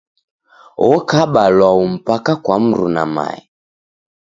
Okaba lwau mpaka kwa mruna mae.